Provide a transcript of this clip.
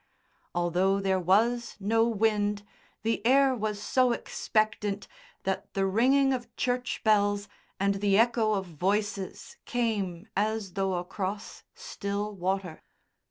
Although there was no wind the air was so expectant that the ringing of church bells and the echo of voices came as though across still water.